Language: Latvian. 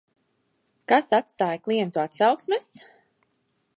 Kas atstāj klientu atsauksmes?